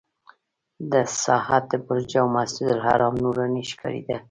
د ساعت برج او مسجدالحرام نوراني ښکارېده.